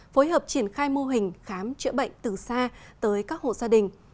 phối hợp triển khai mô hình khám chữa bệnh từ xa tới các hộ gia đình